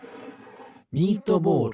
ミートボール。